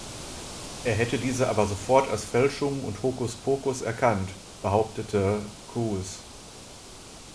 Er hätte diese aber sofort als Fälschungen und Hokuspokus erkannt, behauptete Coues.